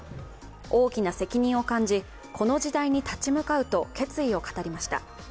大きな責任を感じ、この時代に立ち向かうと決意を語りました。